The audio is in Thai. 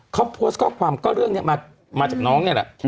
เขาโพสต์ข้อความก็เรื่องนี้มาจากน้องนี่แหละ